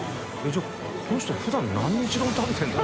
じゃあこの人普段何日丼食べてるの？